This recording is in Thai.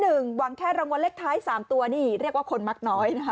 หวังแค่รางวัลเลขท้าย๓ตัวนี่เรียกว่าคนมักน้อยนะคะ